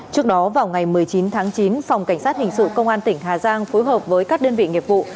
trước đó vào ngày một mươi chín tháng chín phòng cảnh sát hình sự công an tỉnh hà giang phối hợp với các đơn vị nghiệp vụ